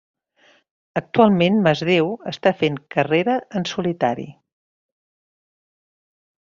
Actualment Masdéu està fent carrera en solitari.